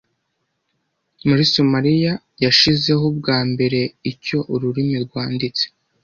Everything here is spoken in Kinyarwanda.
Muri Somaliya yashizeho bwa mbere icyo Ururimi rwanditse